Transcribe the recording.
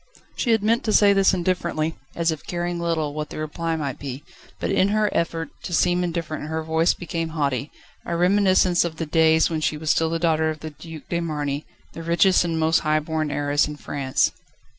She had meant to say this indifferently, as if caring little what the reply might be: but in her effort to seem indifferent her voice became haughty, a reminiscence of the days when she still was the daughter of the Duc de Marny, the richest and most high born heiress in France.